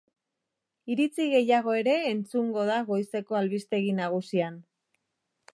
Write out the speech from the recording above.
Iritzi gehiago ere entzungo da goizeko albistegi nagusian.